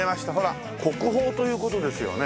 国宝という事ですよね？